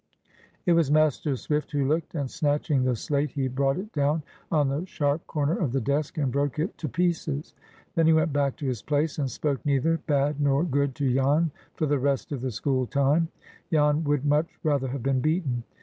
It was Master Swift who looked, and snatching the slate he brought it down on the sharp corner of the desk, and broke it to pieces. Then he went back to his place, and spoke neither bad nor good to Jan for the rest of the school time. Jan would much rather have been beaten.